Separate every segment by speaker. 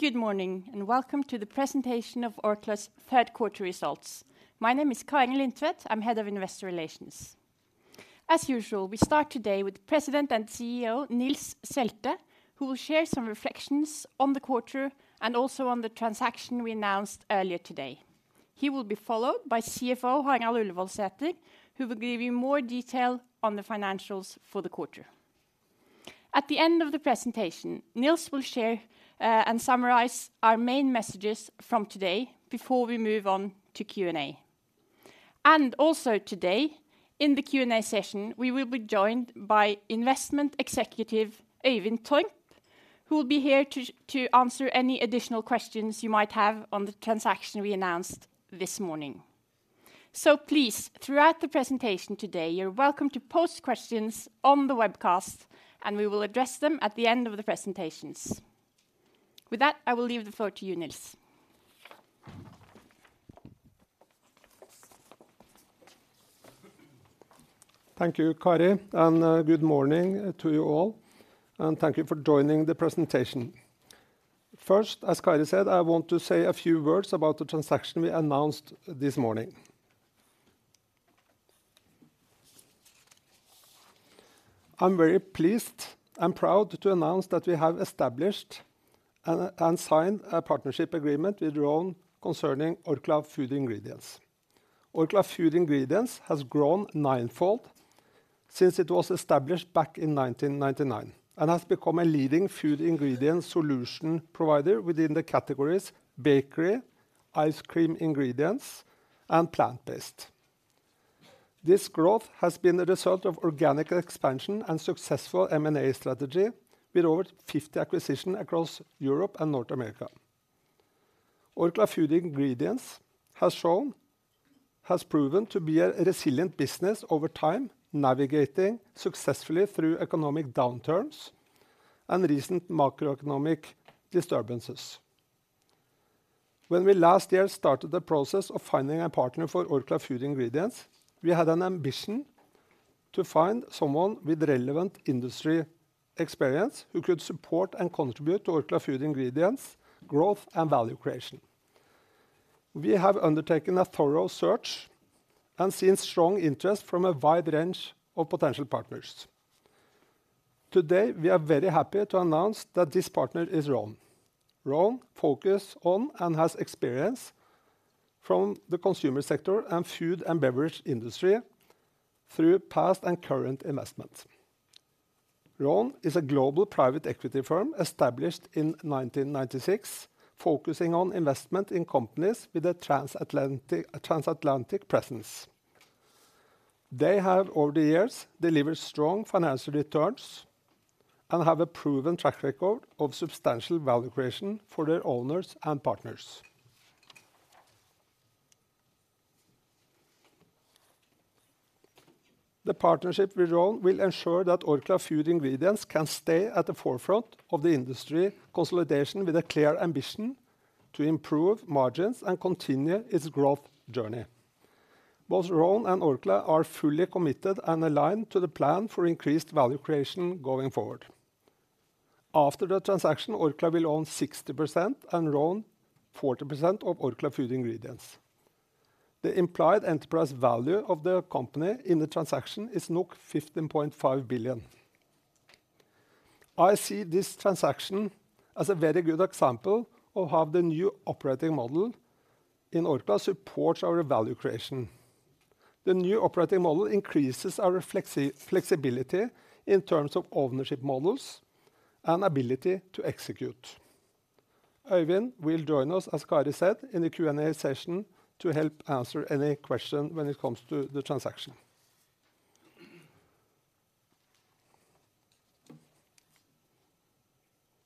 Speaker 1: Good morning, and welcome to the presentation of Orkla's third quarter results. My name is Kari Lindtvedt. I'm Head of Investor Relations. As usual, we start today with President and CEO, Nils Selte, who will share some reflections on the quarter and also on the transaction we announced earlier today. He will be followed by CFO, Harald Ullevoldsæter, who will give you more detail on the financials for the quarter. At the end of the presentation, Nils will share and summarize our main messages from today before we move on to Q&A. And also today, in the Q&A session, we will be joined by Investment Executive, Øyvind Torpp, who will be here to answer any additional questions you might have on the transaction we announced this morning. Please, throughout the presentation today, you're welcome to pose questions on the webcast, and we will address them at the end of the presentations. With that, I will leave the floor to you, Nils.
Speaker 2: Thank you, Kari, and good morning to you all, and thank you for joining the presentation. First, as Kari said, I want to say a few words about the transaction we announced this morning. I'm very pleased and proud to announce that we have established and signed a partnership agreement with Rhône concerning Orkla Food Ingredients. Orkla Food Ingredients has grown ninefold since it was established back in 1999, and has become a leading food ingredient solution provider within the categories bakery, ice cream ingredients, and plant-based. This growth has been the result of organic expansion and successful M&A strategy, with over 50 acquisitions across Europe and North America. Orkla Food Ingredients has proven to be a resilient business over time, navigating successfully through economic downturns and recent macroeconomic disturbances. When we last year started the process of finding a partner for Orkla Food Ingredients, we had an ambition to find someone with relevant industry experience who could support and contribute to Orkla Food Ingredients' growth and value creation. We have undertaken a thorough search and seen strong interest from a wide range of potential partners. Today, we are very happy to announce that this partner is Rhône. Rhône focus on, and has experience from, the consumer sector and food and beverage industry through past and current investments. Rhône is a global private equity firm established in 1996, focusing on investment in companies with a transatlantic presence. They have, over the years, delivered strong financial returns and have a proven track record of substantial value creation for their owners and partners. The partnership with Rhône will ensure that Orkla Food Ingredients can stay at the forefront of the industry consolidation, with a clear ambition to improve margins and continue its growth journey. Both Rhône and Orkla are fully committed and aligned to the plan for increased value creation going forward. After the transaction, Orkla will own 60% and Rhône 40% of Orkla Food Ingredients. The implied enterprise value of the company in the transaction is 15.5 billion. I see this transaction as a very good example of how the new operating model in Orkla supports our value creation. The new operating model increases our flexibility in terms of ownership models and ability to execute. Øyvind will join us, as Kari said, in the Q&A session to help answer any question when it comes to the transaction.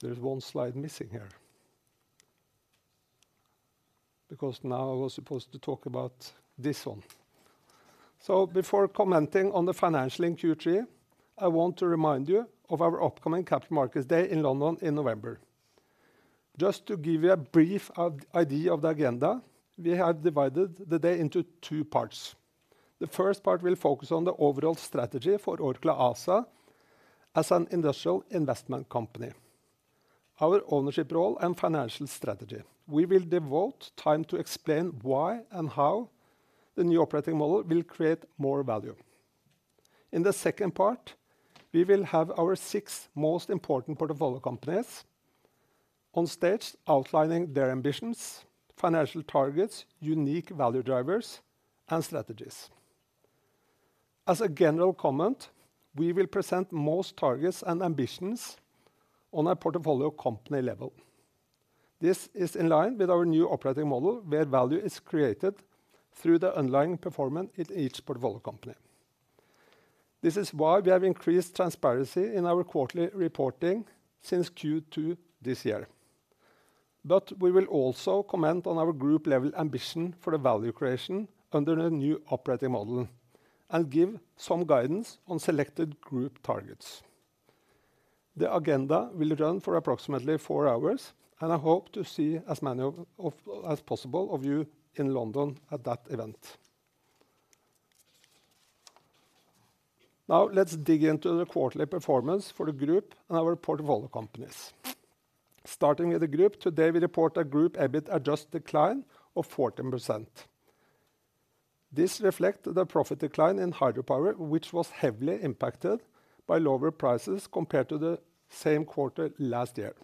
Speaker 2: There is one slide missing here... Because now I was supposed to talk about this one. Before commenting on the financials in Q3, I want to remind you of our upcoming Capital Markets Day in London in November. Just to give you a brief idea of the agenda, we have divided the day into two parts. The first part will focus on the overall strategy for Orkla ASA as an industrial investment company, our ownership role, and financial strategy. We will devote time to explain why and how the new operating model will create more value. In the second part, we will have our six most important portfolio companies on stage, outlining their ambitions, financial targets, unique value drivers, and strategies. As a general comment, we will present most targets and ambitions on a portfolio company level. This is in line with our new operating model, where value is created through the underlying performance in each portfolio company. This is why we have increased transparency in our quarterly reporting since Q2 this year. But we will also comment on our group level ambition for the value creation under the new operating model and give some guidance on selected group targets. The agenda will run for approximately four hours, and I hope to see as many as possible of you in London at that event.... Now let's dig into the quarterly performance for the group and our portfolio companies. Starting with the group, today, we report a group EBIT adjusted decline of 14%. This reflects the profit decline in hydropower, which was heavily impacted by lower prices compared to the same quarter last year.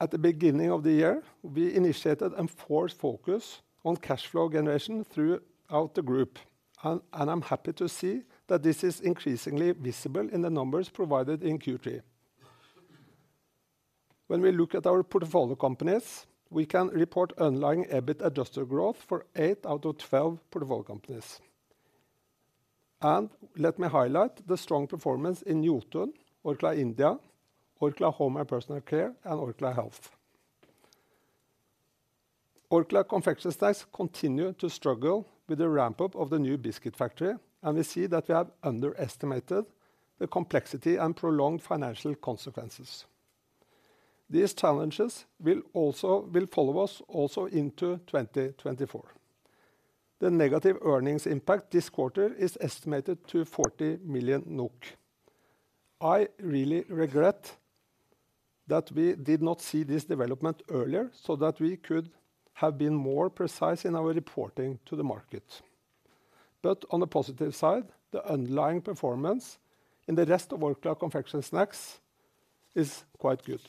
Speaker 2: At the beginning of the year, we initiated enforced focus on cash flow generation throughout the group, and I'm happy to see that this is increasingly visible in the numbers provided in Q3. When we look at our portfolio companies, we can report ongoing EBIT adjusted growth for eight out of 12 portfolio companies. Let me highlight the strong performance in Jotun, Orkla India, Orkla Home and Personal Care, and Orkla Health. Orkla Confectionery & Snacks continues to struggle with the ramp-up of the new biscuit factory, and we see that we have underestimated the complexity and prolonged financial consequences. These challenges will also follow us into 2024. The negative earnings impact this quarter is estimated to 40 million NOK. I really regret that we did not see this development earlier, so that we could have been more precise in our reporting to the market. But on the positive side, the underlying performance in the rest of Orkla Confectionery & Snacks is quite good.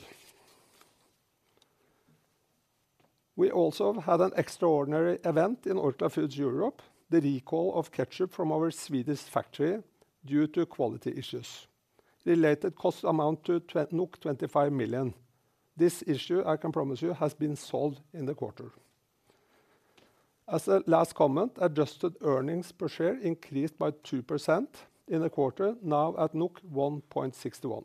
Speaker 2: We also had an extraordinary event in Orkla Foods Europe, the recall of ketchup from our Swedish factory due to quality issues. Related costs amount to NOK 25 million. This issue, I can promise you, has been solved in the quarter. As a last comment, adjusted earnings per share increased by 2% in the quarter, now at 1.61.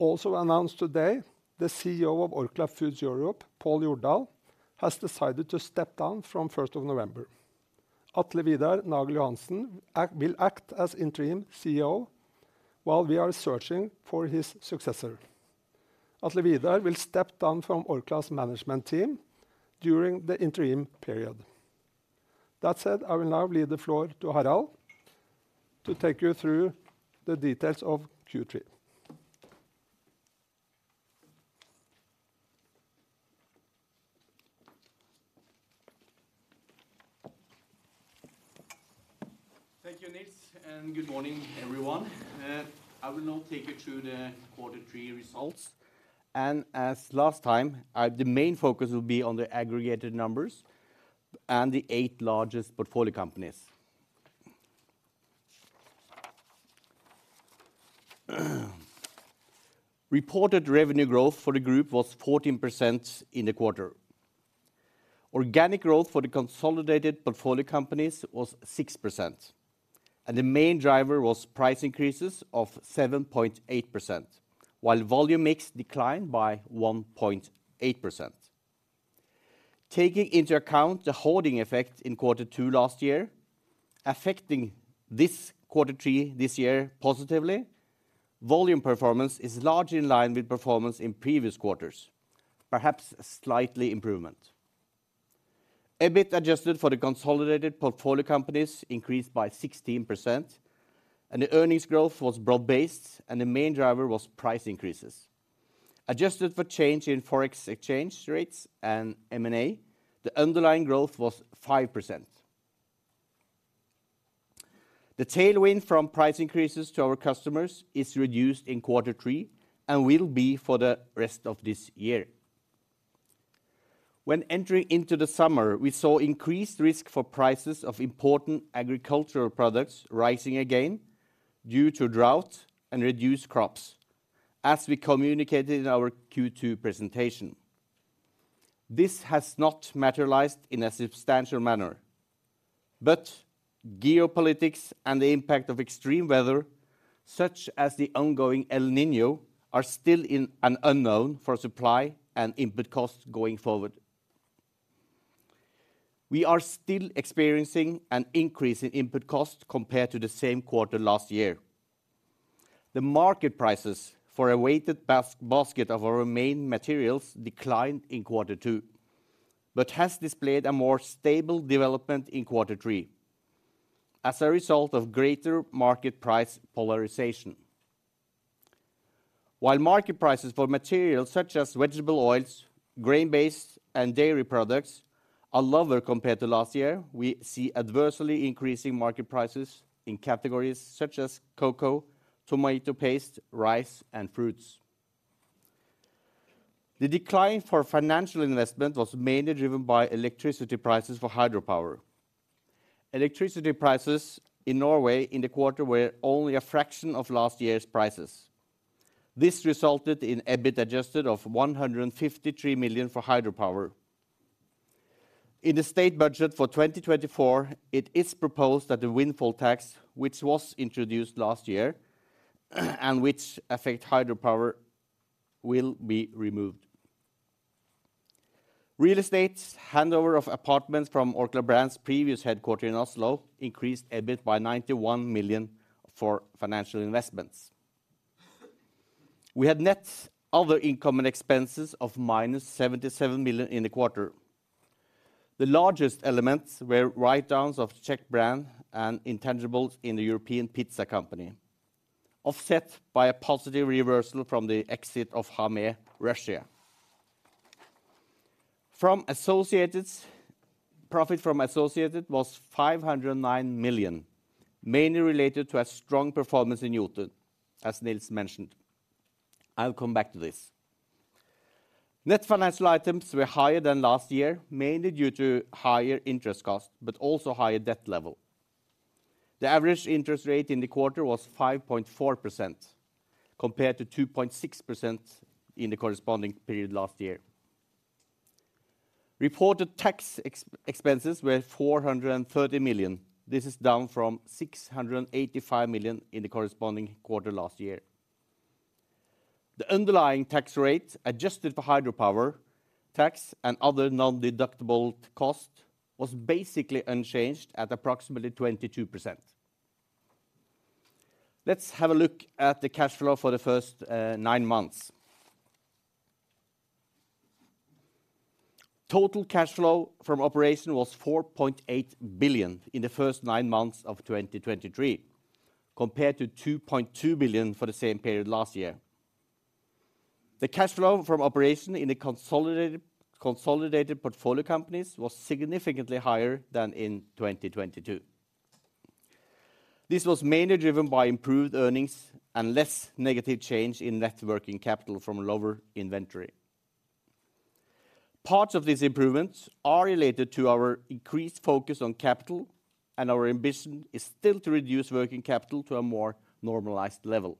Speaker 2: Also announced today, the CEO of Orkla Foods Europe, Pål Jordal, has decided to step down from first of November. Atle Vidar Nagel-Johansen will act as interim CEO while we are searching for his successor. Atle Vidar will step down from Orkla's management team during the interim period. That said, I will now leave the floor to Harald to take you through the details of Q3.
Speaker 3: Thank you, Nils, and good morning, everyone. I will now take you through the quarter three results, and as last time, the main focus will be on the aggregated numbers and the eight largest portfolio companies. Reported revenue growth for the group was 14% in the quarter. Organic growth for the consolidated portfolio companies was 6%, and the main driver was price increases of 7.8%, while volume mix declined by 1.8%. Taking into account the hoarding effect in quarter two last year, affecting this quarter three this year positively, volume performance is largely in line with performance in previous quarters, perhaps slightly improvement. EBIT adjusted for the consolidated portfolio companies increased by 16%, and the earnings growth was broad-based, and the main driver was price increases. Adjusted for change in Forex exchange rates and M&A, the underlying growth was 5%. The tailwind from price increases to our customers is reduced in quarter three and will be for the rest of this year. When entering into the summer, we saw increased risk for prices of important agricultural products rising again due to drought and reduced crops, as we communicated in our Q2 presentation. This has not materialized in a substantial manner, but geopolitics and the impact of extreme weather, such as the ongoing El Niño, are still in an unknown for supply and input costs going forward. We are still experiencing an increase in input costs compared to the same quarter last year. The market prices for a weighted basket of our main materials declined in quarter two, but has displayed a more stable development in quarter three as a result of greater market price polarization. While market prices for materials such as vegetable oils, grain-based, and dairy products are lower compared to last year, we see adversely increasing market prices in categories such as cocoa, tomato paste, rice, and fruits. The decline for financial investment was mainly driven by electricity prices for hydropower. Electricity prices in Norway in the quarter were only a fraction of last year's prices. This resulted in EBIT adjusted of 153 million for hydropower. In the state budget for 2024, it is proposed that the windfall tax, which was introduced last year, and which affect hydropower, will be removed. Real estate handover of apartments from Orkla Brands' previous headquarters in Oslo increased EBIT by 91 million for financial investments. We had net other income and expenses of -77 million in the quarter. The largest elements were write-downs of Czech brand and intangibles in the European Pizza Company, offset by a positive reversal from the exit of Hamé, Russia. From associates, profit from associates was 509 million, mainly related to a strong performance in Jotun, as Nils mentioned. I'll come back to this. Net financial items were higher than last year, mainly due to higher interest cost, but also higher debt level. The average interest rate in the quarter was 5.4%, compared to 2.6% in the corresponding period last year. Reported tax expenses were 430 million. This is down from 685 million in the corresponding quarter last year. The underlying tax rate, adjusted for hydropower, tax, and other non-deductible cost, was basically unchanged at approximately 22%. Let's have a look at the cash flow for the first 9 months. Total cash flow from operation was 4.8 billion in the first 9 months of 2023, compared to 2.2 billion for the same period last year. The cash flow from operation in the consolidated portfolio companies was significantly higher than in 2022. This was mainly driven by improved earnings and less negative change in net working capital from lower inventory. Parts of these improvements are related to our increased focus on capital, and our ambition is still to reduce working capital to a more normalized level.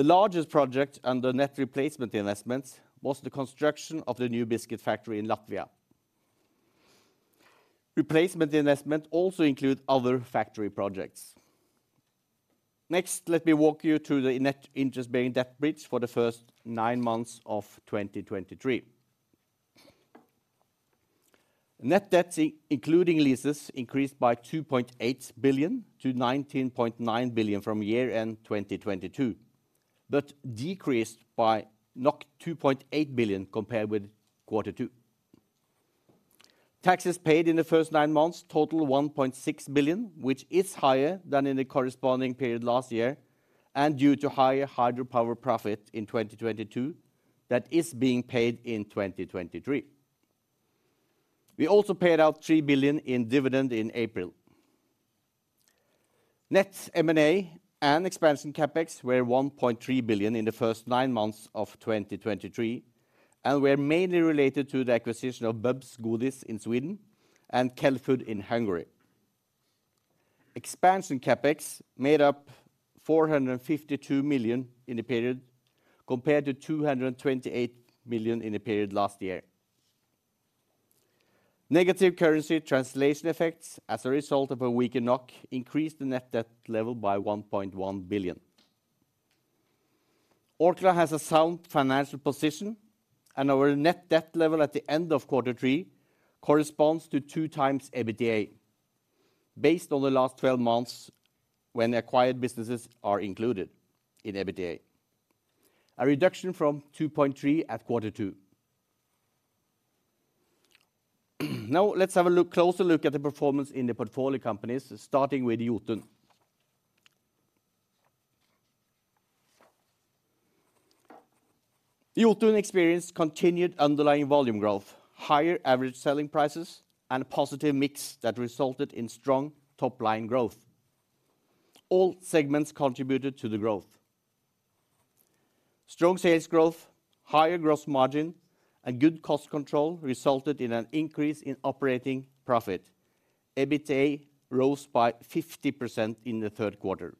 Speaker 3: The largest project under net replacement investments was the construction of the new biscuit factory in Latvia. Replacement investment also include other factory projects. Next, let me walk you through the net interest-bearing debt bridge for the first nine months of 2023. Net debt, including leases, increased by 2.8 billion to 19.9 billion from year-end 2022, but decreased by 2.8 billion compared with quarter two. Taxes paid in the first nine months total 1.6 billion, which is higher than in the corresponding period last year, and due to higher hydropower profit in 2022, that is being paid in 2023. We also paid out 3 billion in dividend in April. Net M&A and expansion CapEx were 1.3 billion in the first nine months of 2023 and were mainly related to the acquisition of Bubs Godis in Sweden and Khell-Food in Hungary. Expansion CapEx made up 452 million in the period, compared to 228 million in the period last year. Negative currency translation effects, as a result of a weaker NOK, increased the net debt level by 1.1 billion. Orkla has a sound financial position, and our net debt level at the end of quarter three corresponds to 2x EBITDA, based on the last twelve months when acquired businesses are included in EBITDA. A reduction from 2.3 at quarter two. Now, let's have a look, closer look at the performance in the portfolio companies, starting with Jotun. Jotun experienced continued underlying volume growth, higher average selling prices, and a positive mix that resulted in strong top-line growth. All segments contributed to the growth. Strong sales growth, higher gross margin, and good cost control resulted in an increase in operating profit. EBITDA rose by 50% in the third quarter.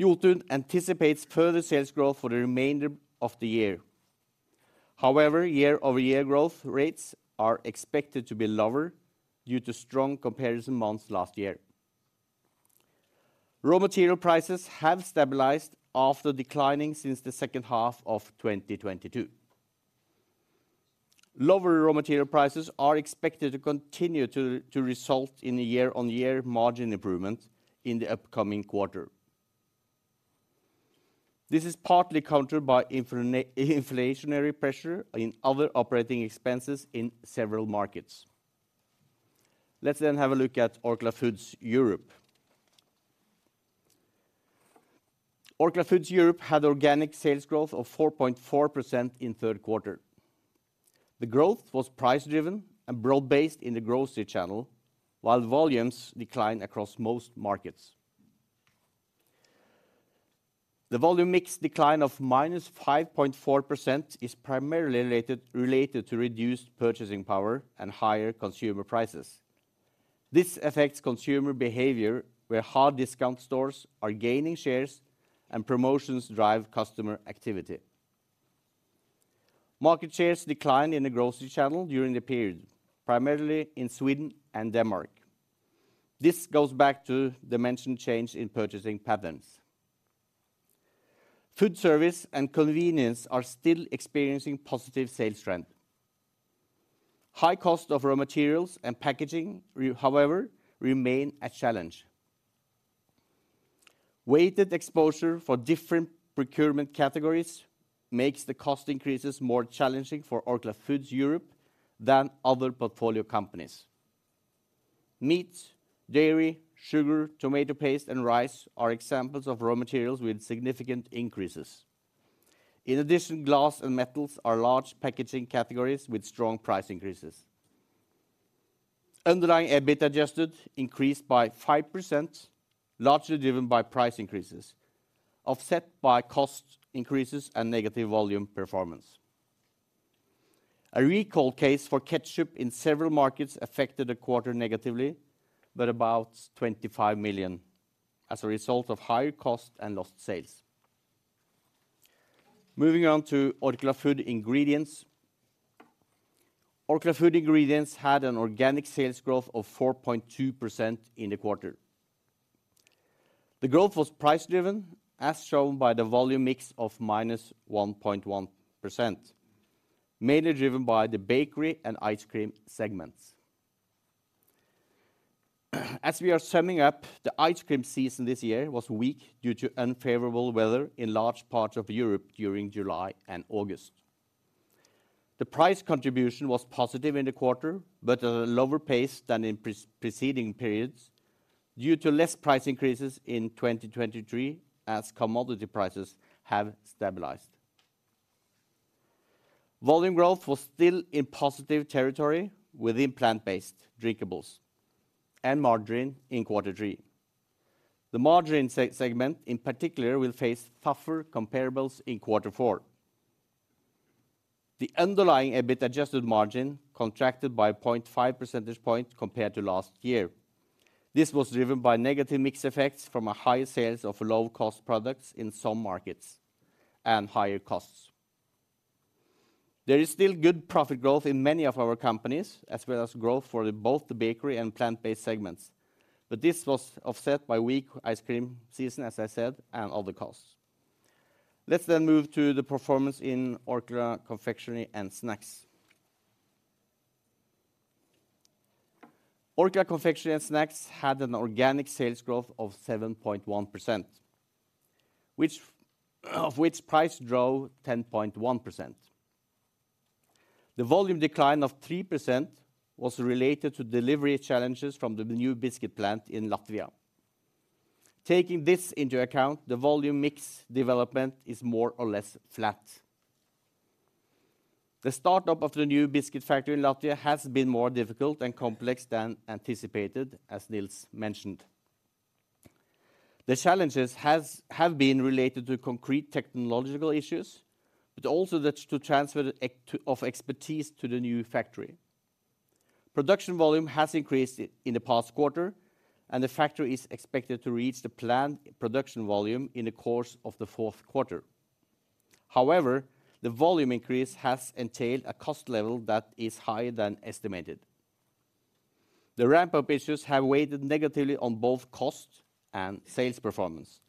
Speaker 3: Jotun anticipates further sales growth for the remainder of the year. However, year-over-year growth rates are expected to be lower due to strong comparison months last year. Raw material prices have stabilized after declining since the second half of 2022. Lower raw material prices are expected to continue to result in a year-on-year margin improvement in the upcoming quarter. This is partly countered by inflationary pressure in other operating expenses in several markets. Let's then have a look at Orkla Foods Europe. Orkla Foods Europe had organic sales growth of 4.4% in third quarter. The growth was price-driven and broad-based in the grocery channel, while volumes declined across most markets. The volume mix decline of -5.4% is primarily related to reduced purchasing power and higher consumer prices. This affects consumer behavior, where hard discounters are gaining share and promotions drive customer activity. Market shares declined in the grocery channel during the period, primarily in Sweden and Denmark. This goes back to the mentioned change in purchasing patterns. Food service and convenience are still experiencing positive sales trend... High cost of raw materials and packaging, however, remain a challenge. Weighted exposure for different procurement categories makes the cost increases more challenging for Orkla Foods Europe than other portfolio companies. Meat, dairy, sugar, tomato paste, and rice are examples of raw materials with significant increases. In addition, glass and metals are large packaging categories with strong price increases. Underlying EBIT adjusted increased by 5%, largely driven by price increases, offset by cost increases and negative volume performance. A recall case for ketchup in several markets affected the quarter negatively, but about 25 million as a result of higher cost and lost sales. Moving on to Orkla Food Ingredients. Orkla Food Ingredients had an organic sales growth of 4.2% in the quarter. The growth was price-driven, as shown by the volume mix of -1.1%, mainly driven by the bakery and ice cream segments. As we are summing up, the ice cream season this year was weak due to unfavorable weather in large parts of Europe during July and August. The price contribution was positive in the quarter, but at a lower pace than in preceding periods, due to less price increases in 2023 as commodity prices have stabilized. Volume growth was still in positive territory within plant-based drinkables and margarine in quarter three. The margarine segment, in particular, will face tougher comparables in quarter four. The underlying EBIT adjusted margin contracted by 0.5 percentage point compared to last year. This was driven by negative mix effects from high sales of low-cost products in some markets and higher costs. There is still good profit growth in many of our companies, as well as growth for both the bakery and plant-based segments, but this was offset by weak ice cream season, as I said, and other costs. Let's then move to the performance in Orkla Confectionery & Snacks. Orkla Confectionery & Snacks had an organic sales growth of 7.1%, of which price drove 10.1%. The volume decline of 3% was related to delivery challenges from the new biscuit plant in Latvia. Taking this into account, the volume mix development is more or less flat. The startup of the new biscuit factory in Latvia has been more difficult and complex than anticipated, as Nils mentioned. The challenges have been related to concrete technological issues, but also to the transfer of expertise to the new factory. Production volume has increased in the past quarter, and the factory is expected to reach the planned production volume in the course of the fourth quarter. However, the volume increase has entailed a cost level that is higher than estimated. The ramp-up issues have weighed negatively on both cost and sales performance,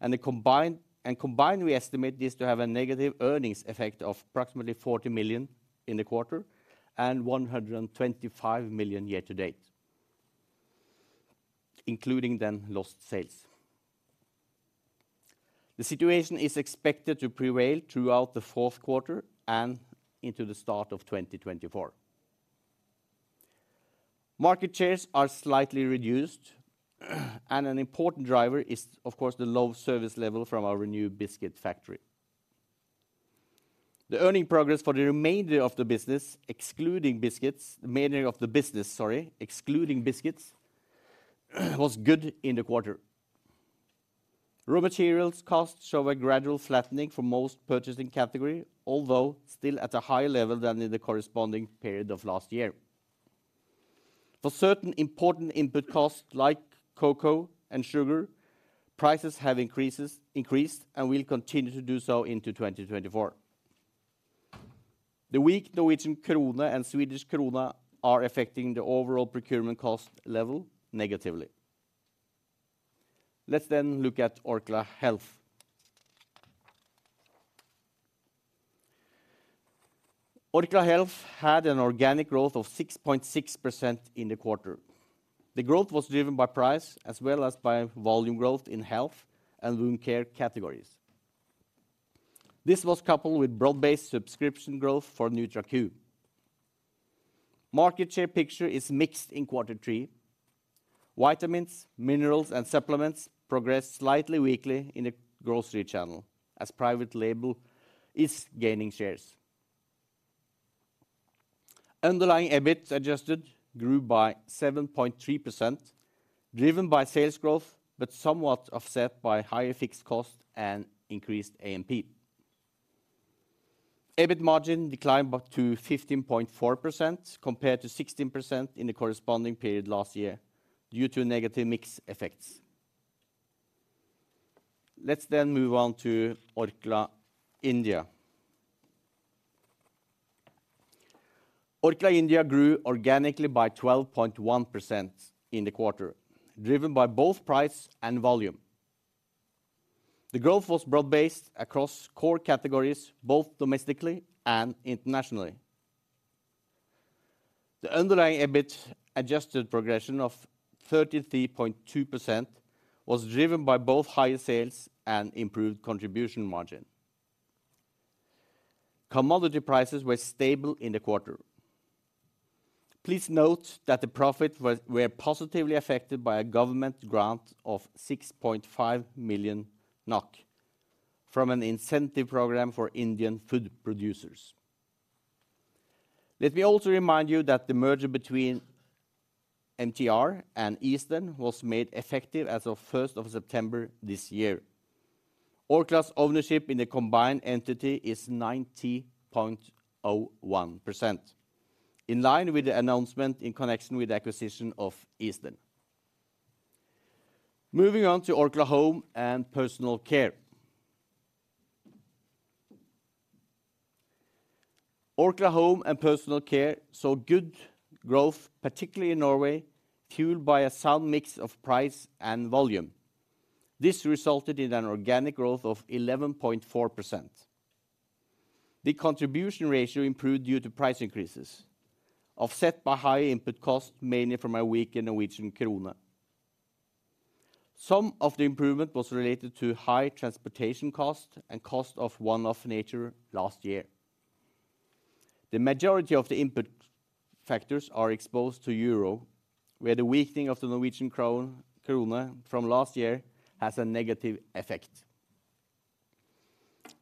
Speaker 3: and the combined, we estimate this to have a negative earnings effect of approximately 40 million in the quarter and 125 million year to date, including then lost sales. The situation is expected to prevail throughout the fourth quarter and into the start of 2024. Market shares are slightly reduced, and an important driver is, of course, the low service level from our new biscuit factory. The earning progress for the remainder of the business, excluding biscuits, the remainder of the business, sorry, excluding biscuits, was good in the quarter. Raw materials costs show a gradual flattening for most purchasing category, although still at a higher level than in the corresponding period of last year. For certain important input costs, like cocoa and sugar, prices have increased and will continue to do so into 2024. The weak Norwegian krone and Swedish krona are affecting the overall procurement cost level negatively. Let's then look at Orkla Health. Orkla Health had an organic growth of 6.6% in the quarter. The growth was driven by price as well as by volume growth in health and wound care categories. This was coupled with broad-based subscription growth for NutraQ. Market share picture is mixed in quarter three. Vitamins, minerals, and supplements progressed slightly weakly in the grocery channel as private label is gaining shares. Underlying EBIT adjusted grew by 7.3%, driven by sales growth, but somewhat offset by higher fixed cost and increased AMP. EBIT margin declined back to 15.4%, compared to 16% in the corresponding period last year, due to negative mix effects. Let's then move on to Orkla India. Orkla India grew organically by 12.1% in the quarter, driven by both price and volume... The growth was broad-based across core categories, both domestically and internationally. The underlying EBIT adjusted progression of 33.2% was driven by both higher sales and improved contribution margin. Commodity prices were stable in the quarter. Please note that the profit was positively affected by a government grant of 6.5 million NOK from an incentive program for Indian food producers. Let me also remind you that the merger between MTR and Eastern was made effective as of 1st of September this year. Orkla's ownership in the combined entity is 90.01%, in line with the announcement in connection with the acquisition of Eastern. Moving on to Orkla Home and Personal Care. Orkla Home and Personal Care saw good growth, particularly in Norway, fueled by a sound mix of price and volume. This resulted in an organic growth of 11.4%. The contribution ratio improved due to price increases, offset by high input costs, mainly from a weaker Norwegian krone. Some of the improvement was related to high transportation costs and cost of one-off nature last year. The majority of the input factors are exposed to Euro, where the weakening of the Norwegian krone, krone from last year has a negative effect.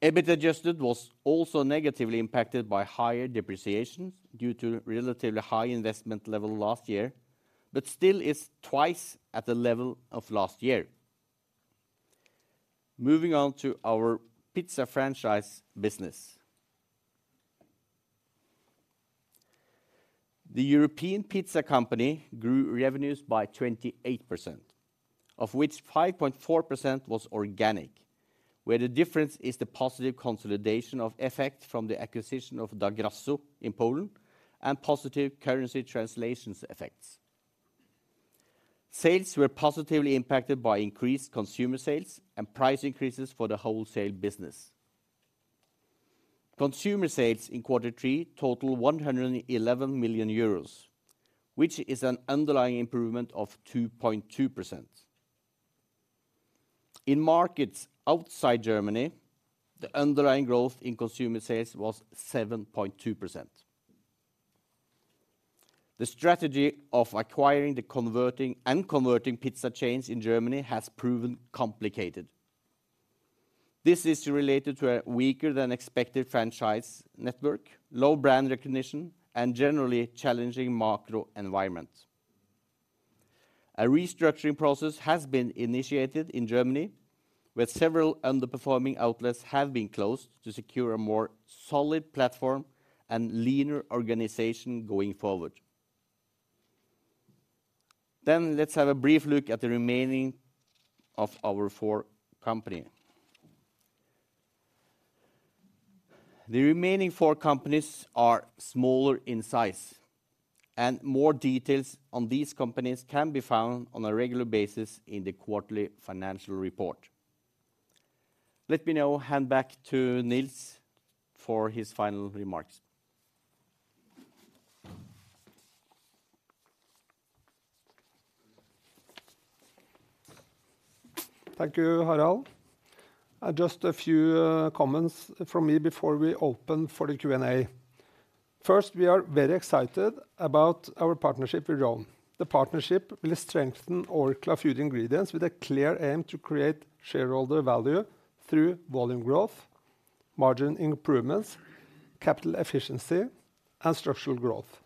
Speaker 3: EBIT adjusted was also negatively impacted by higher depreciations due to relatively high investment level last year, but still is twice at the level of last year. Moving on to our pizza franchise business. The European Pizza Company grew revenues by 28%, of which 5.4% was organic, where the difference is the positive consolidation of effect from the acquisition of Da Grasso in Poland and positive currency translations effects. Sales were positively impacted by increased consumer sales and price increases for the wholesale business. Consumer sales in quarter three totaled 111 million euros, which is an underlying improvement of 2.2%. In markets outside Germany, the underlying growth in consumer sales was 7.2%. The strategy of acquiring the converting pizza chains in Germany has proven complicated. This is related to a weaker than expected franchise network, low brand recognition, and generally challenging macro environment. A restructuring process has been initiated in Germany, where several underperforming outlets have been closed to secure a more solid platform and leaner organization going forward. Then let's have a brief look at the remaining four companies. The remaining four companies are smaller in size, and more details on these companies can be found on a regular basis in the quarterly financial report. Let me now hand back to Nils for his final remarks.
Speaker 2: Thank you, Harald. Just a few comments from me before we open for the Q&A. First, we are very excited about our partnership with Rhône. The partnership will strengthen Orkla Food Ingredients with a clear aim to create shareholder value through volume growth, margin improvements, capital efficiency, and structural growth.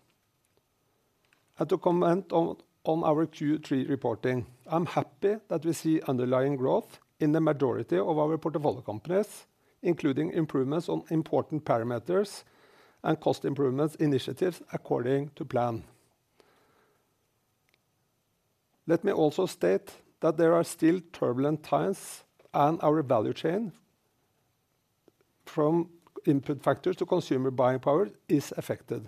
Speaker 2: And to comment on our Q3 reporting, I'm happy that we see underlying growth in the majority of our portfolio companies, including improvements on important parameters and cost improvements initiatives according to plan. Let me also state that there are still turbulent times, and our value chain from input factors to consumer buying power is affected.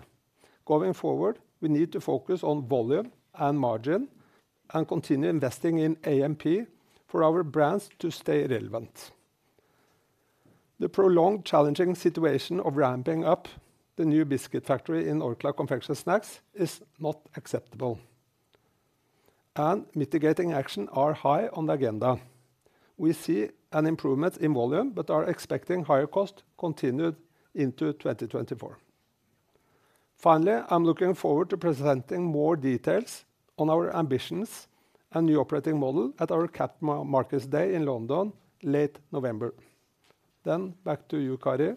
Speaker 2: Going forward, we need to focus on volume and margin and continue investing in AMP for our brands to stay relevant. The prolonged, challenging situation of ramping up the new biscuit factory in Orkla Confectionery & Snacks is not acceptable, and mitigating action are high on the agenda. We see an improvement in volume, but are expecting higher cost continued into 2024. Finally, I'm looking forward to presenting more details on our ambitions and new operating model at our Capital Markets Day in London, late November. Then back to you, Kari,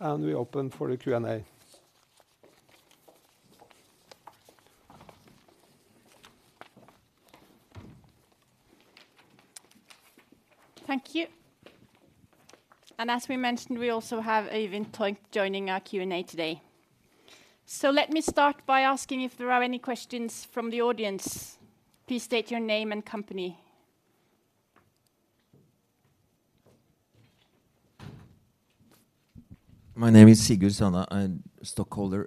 Speaker 2: and we open for the Q&A.
Speaker 1: Thank you. And as we mentioned, we also have Øyvind Torpp joining our Q&A today. So let me start by asking if there are any questions from the audience. Please state your name and company....
Speaker 4: My name is Sigurd Sanna. I'm stockholder.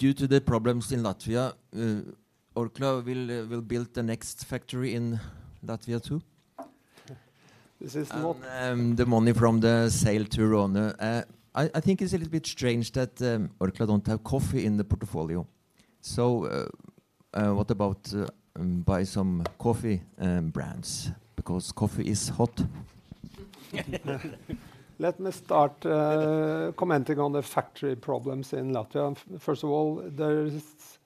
Speaker 4: Due to the problems in Latvia, Orkla will build the next factory in Latvia, too?
Speaker 2: This is what-
Speaker 4: The money from the sale to Rhône. I think it's a little bit strange that Orkla don't have coffee in the portfolio. What about buy some coffee brands? Because coffee is hot.
Speaker 5: Let me start commenting on the factory problems in Latvia. First of all, there is,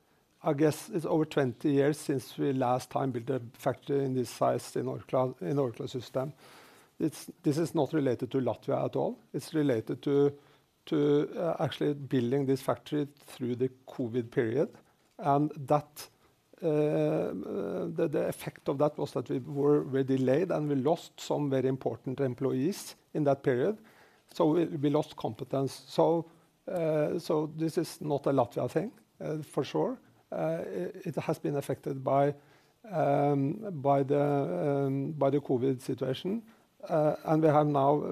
Speaker 5: I guess it's over 20 years since we last time built a factory in this size in Orkla, in Orkla system. It's, this is not related to Latvia at all, it's related to actually building this factory through the COVID period. And that, the effect of that was that we were very delayed, and we lost some very important employees in that period, so we lost competence. So this is not a Latvia thing, for sure. It has been affected by the COVID situation. And we have now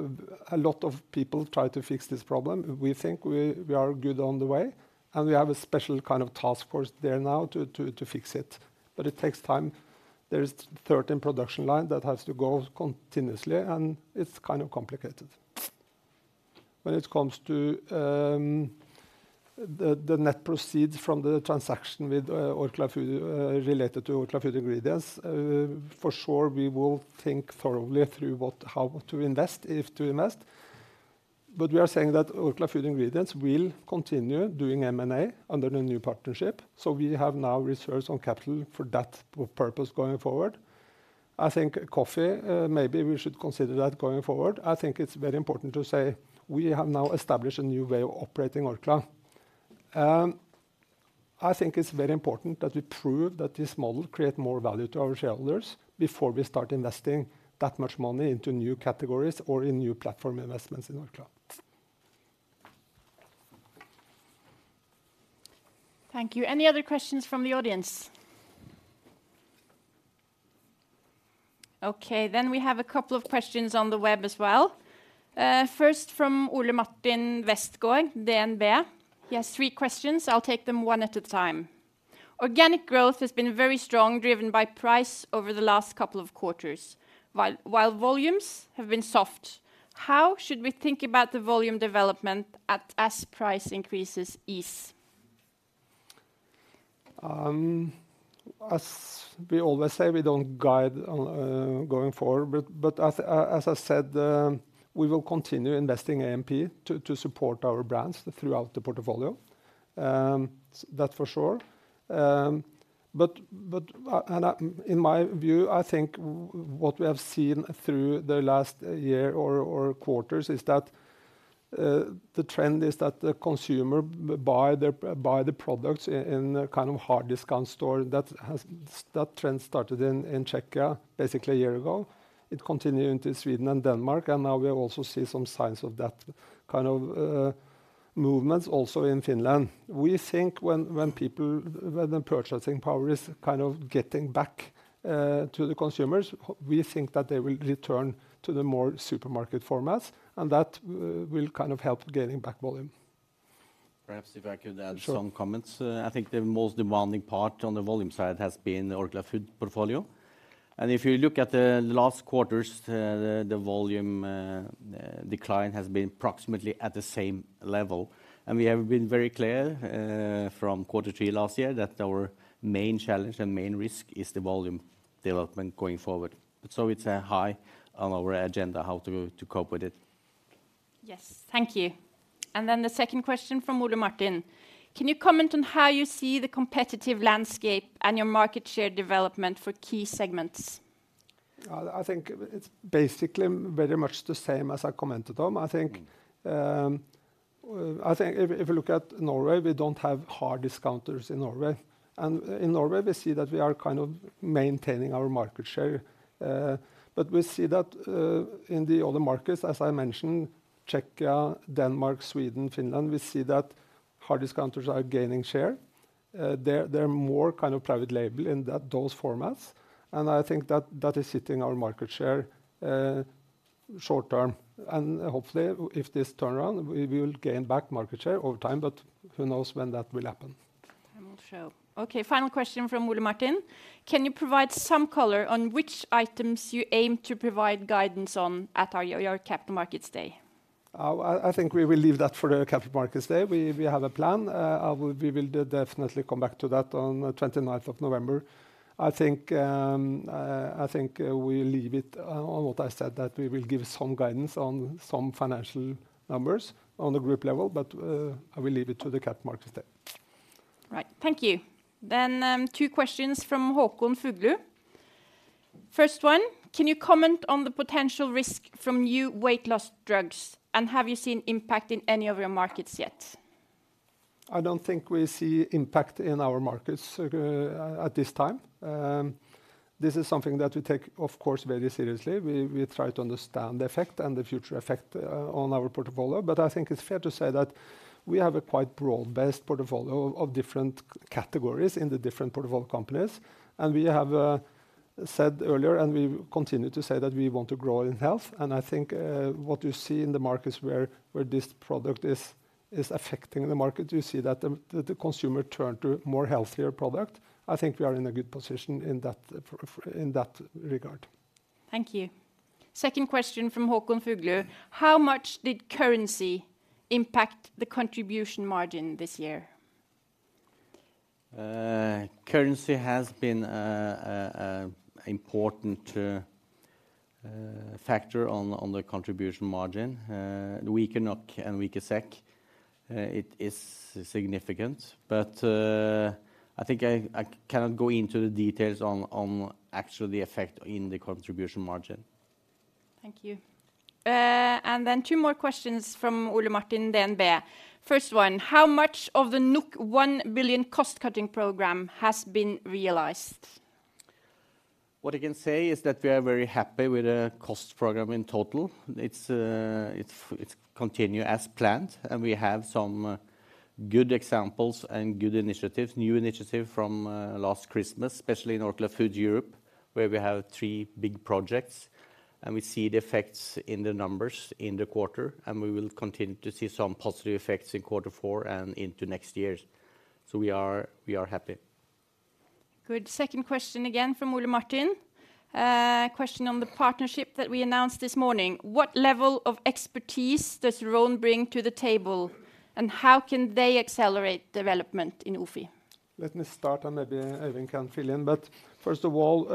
Speaker 5: a lot of people try to fix this problem.
Speaker 2: We think we are good on the way, and we have a special kind of task force there now to fix it, but it takes time. There is 13 production line that has to go continuously, and it's kind of complicated. When it comes to the net proceeds from the transaction with Orkla Food, related to Orkla Food Ingredients, for sure, we will think thoroughly through what how to invest, if to invest. But we are saying that Orkla Food Ingredients will continue doing M&A under the new partnership, so we have now researched on capital for that purpose going forward. I think coffee, maybe we should consider that going forward. I think it's very important to say we have now established a new way of operating Orkla. I think it's very important that we prove that this model create more value to our shareholders before we start investing that much money into new categories or in new platform investments in Orkla.
Speaker 1: Thank you. Any other questions from the audience? Okay, then we have a couple of questions on the web as well. First, from Ole Martin Westgaard, DNB. He has three questions. I'll take them one at a time. Organic growth has been very strong, driven by price over the last couple of quarters, while volumes have been soft. How should we think about the volume development as price increases ease?
Speaker 2: As we always say, we don't guide going forward. But as I said, we will continue investing A&P to support our brands throughout the portfolio. That's for sure. But in my view, I think what we have seen through the last year or quarters is that the trend is that the consumer buy the products in a kind of hard discount store. That trend started in Czechia, basically a year ago. It continued into Sweden and Denmark, and now we also see some signs of that kind of movements also in Finland. We think when people, when the purchasing power is kind of getting back to the consumers, we think that they will return to the more supermarket formats, and that will kind of help gaining back volume.
Speaker 3: Perhaps if I could add-
Speaker 2: Sure.
Speaker 3: Some comments. I think the most demanding part on the volume side has been the Orkla Foods portfolio. And if you look at the last quarters, the volume decline has been approximately at the same level. And we have been very clear, from quarter three last year, that our main challenge and main risk is the volume development going forward. So it's a high on our agenda, how to cope with it.
Speaker 1: Yes. Thank you. And then the second question from Ole Martin: Can you comment on how you see the competitive landscape and your market share development for key segments?
Speaker 2: I think it's basically very much the same as I commented on. I think, I think if, if you look at Norway, we don't have hard discounters in Norway. In Norway, we see that we are kind of maintaining our market share. But we see that, in the other markets, as I mentioned, Czechia, Denmark, Sweden, Finland, we see that hard discounters are gaining share. They're, they're more kind of private label in that, those formats, and I think that, that is hitting our market share, short term. Hopefully, if this turn around, we, we will gain back market share over time, but who knows when that will happen?
Speaker 1: I'm not sure. Okay, final question from Ole Martin: Can you provide some color on which items you aim to provide guidance on at our, your Capital Markets Day?
Speaker 2: I think we will leave that for the Capital Markets Day. We have a plan. We will definitely come back to that on twenty-ninth of November. I think we leave it on what I said, that we will give some guidance on some financial numbers on the group level, but I will leave it to the Capital Markets Day.
Speaker 1: Right. Thank you. Then, two questions from Håkon Fuglu. First one, can you comment on the potential risk from new weight loss drugs, and have you seen impact in any of your markets yet?
Speaker 2: I don't think we see impact in our markets at this time. This is something that we take, of course, very seriously. We try to understand the effect and the future effect on our portfolio, but I think it's fair to say that we have a quite broad-based portfolio of different categories in the different portfolio companies, and we have said earlier, and we continue to say that we want to grow in health. I think what you see in the markets where this product is affecting the market, you see that the consumer turn to more healthier product. I think we are in a good position in that regard.
Speaker 1: Thank you. Second question from Håkon Fuglu: How much did currency impact the contribution margin this year?
Speaker 6: Currency has been an important factor on the contribution margin. The weaker NOK and weaker SEK, it is significant, but I think I cannot go into the details on actually the effect in the contribution margin.
Speaker 1: Thank you. And then two more questions from Ole Martin, DNB. First one: How much of the 1 billion cost-cutting program has been realized?
Speaker 6: What I can say is that we are very happy with the cost program in total. It's, it's continue as planned, and we have some good examples and good initiatives, new initiative from last Christmas, especially in Orkla Foods Europe, where we have three big projects, and we see the effects in the numbers in the quarter, and we will continue to see some positive effects in quarter four and into next years. So we are, we are happy.
Speaker 1: Good. Second question again from Ole Martin. Question on the partnership that we announced this morning: What level of expertise does Rhône bring to the table, and how can they accelerate development in OFI?
Speaker 2: Let me start, and maybe Øyvind can fill in. But first of all,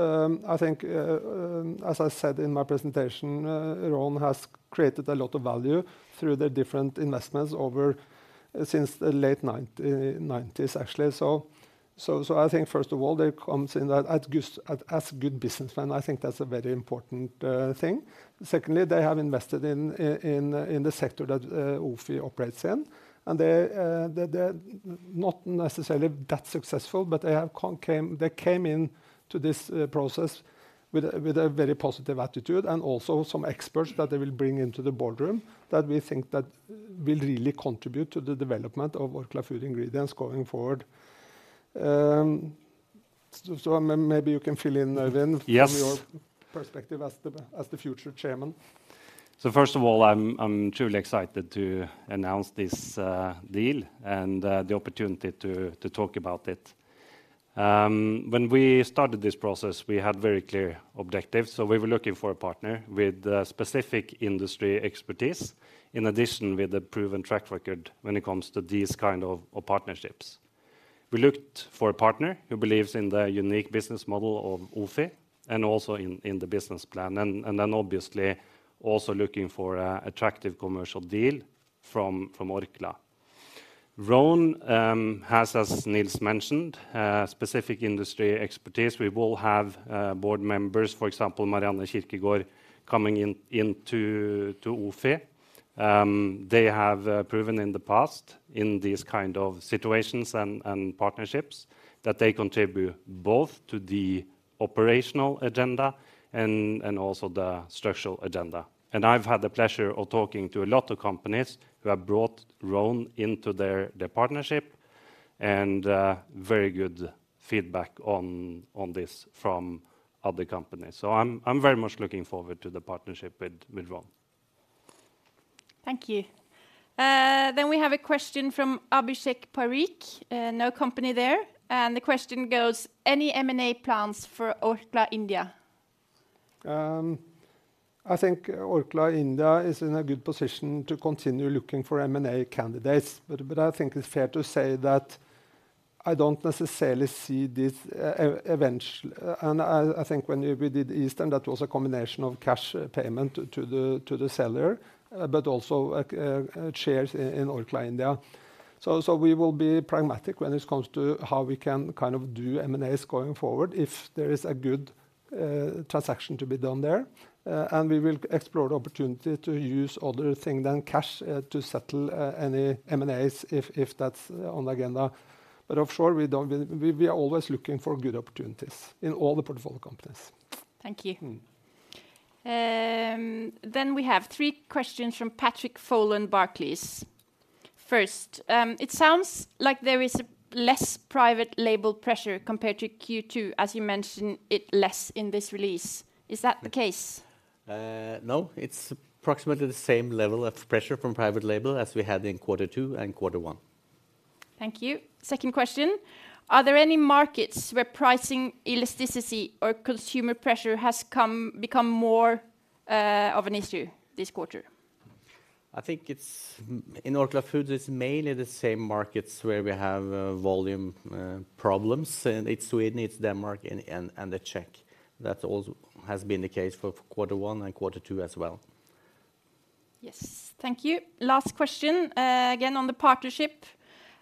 Speaker 2: as I said in my presentation, Rhône has created a lot of value through the different investments over... since the late 1990s, actually. So, I think, first of all, they comes in that as good businessmen, I think that's a very important thing. Secondly, they have invested in, in, in the sector that OFI operates in, and they, they're not necessarily that successful, but they came in to this process with a very positive attitude and also some experts that they will bring into the boardroom, that we think that will really contribute to the development of Orkla Food Ingredients going forward. So, maybe you can fill in, Øyvind-
Speaker 6: Yes...
Speaker 2: from your perspective as the future chairman.
Speaker 6: So first of all, I'm truly excited to announce this deal and the opportunity to talk about it. When we started this process, we had very clear objectives, so we were looking for a partner with specific industry expertise, in addition with a proven track record when it comes to these kind of partnerships. We looked for a partner who believes in the unique business model of OFI and also in the business plan, and then obviously, also looking for an attractive commercial deal from Orkla. Rhône has, as Nils mentioned, specific industry expertise. We will have board members, for example, Marianne Kirkegaard, coming into OFI. They have proven in the past, in these kind of situations and partnerships, that they contribute both to the operational agenda and also the structural agenda. I've had the pleasure of talking to a lot of companies who have brought Rhône into their partnership, and very good feedback on this from other companies. So I'm very much looking forward to the partnership with Rhône.
Speaker 1: Thank you. Then we have a question from Abhishek Parikh, no company there, and the question goes: Any M&A plans for Orkla India?
Speaker 2: I think Orkla India is in a good position to continue looking for M&A candidates. But I think it's fair to say that I don't necessarily see this event. And I think when we did Eastern, that was a combination of cash payment to the seller, but also shares in Orkla India. So we will be pragmatic when it comes to how we can kind of do M&As going forward, if there is a good transaction to be done there. And we will explore the opportunity to use other thing than cash to settle any M&As, if that's on the agenda. But for sure, we don't. We are always looking for good opportunities in all the portfolio companies.
Speaker 1: Thank you.
Speaker 6: Mm.
Speaker 1: Then we have three questions from Patrick Folan, Barclays. First, it sounds like there is a less private label pressure compared to Q2, as you mentioned it less in this release. Is that the case?
Speaker 6: No, it's approximately the same level of pressure from private label as we had in quarter two and quarter one.
Speaker 1: Thank you. Second question: Are there any markets where pricing elasticity or consumer pressure has become more of an issue this quarter?
Speaker 6: I think it's, in Orkla Foods, it's mainly the same markets where we have volume problems, and it's Sweden, it's Denmark, and Czechia. That also has been the case for quarter one and quarter two as well.
Speaker 1: Yes. Thank you. Last question, again, on the partnership: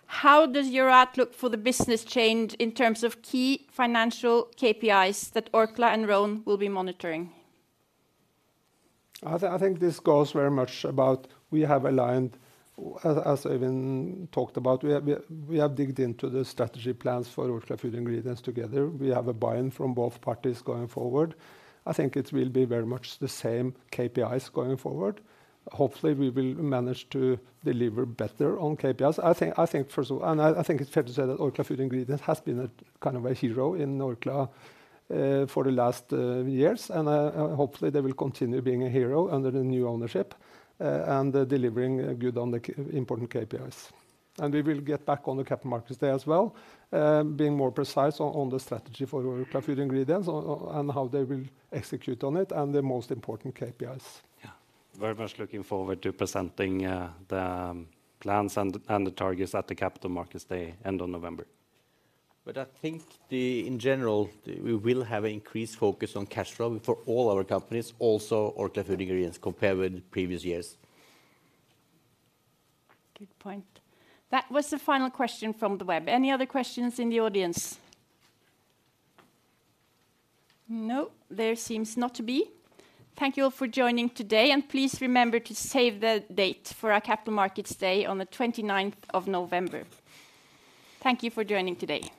Speaker 1: How does your outlook for the business change in terms of key financial KPIs that Orkla and Rhône will be monitoring?
Speaker 2: I think this goes very much about we have aligned, as Øyvind talked about, we have dug into the strategy plans for Orkla Food Ingredients together. We have a buy-in from both parties going forward. I think it will be very much the same KPIs going forward. Hopefully, we will manage to deliver better on KPIs. I think, first of all... I think it's fair to say that Orkla Food Ingredients has been kind of a hero in Orkla for the last years. And hopefully, they will continue being a hero under the new ownership and delivering good on the key important KPIs. We will get back on the Capital Markets Day as well, being more precise on the strategy for Orkla Food Ingredients and how they will execute on it, and the most important KPIs.
Speaker 6: Yeah. Very much looking forward to presenting the plans and the targets at the Capital Markets Day, end of November. But I think, in general, we will have an increased focus on cash flow for all our companies, also Orkla Food Ingredients, compared with previous years.
Speaker 1: Good point. That was the final question from the web. Any other questions in the audience? No, there seems not to be. Thank you all for joining today, and please remember to save the date for our Capital Markets Day on the 29th of November. Thank you for joining today.